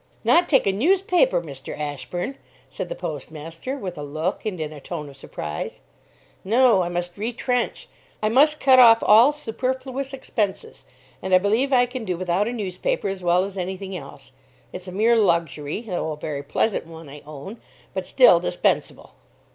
"Not take a newspaper, Mr. Ashburn!" said the postmaster, with a look and in a tone of surprise. "No. I must retrench. I must cut off all superfluous expenses. And I believe I can do without a newspaper as well as any thing else. It's a mere luxury; though a very pleasant one, I own, but still dispensable."